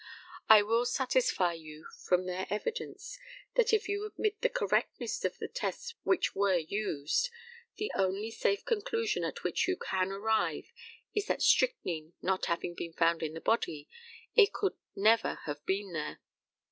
I will satisfy you from their evidence, that if you admit the correctness of the tests which were used, the only safe conclusion at which you can arrive is that strychnine not having been found in the body, it could never have been there.